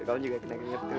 kamu juga keringet tuh